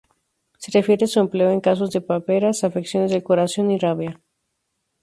Se refiere su empleo en casos de paperas, afecciones del corazón y rabia.